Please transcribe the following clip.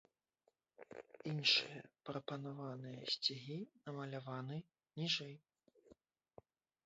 Іншыя прапанаваныя сцягі намаляваны ніжэй.